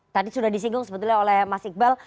tadi sudah disinggung sebetulnya oleh mas iqbal